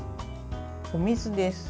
お水です。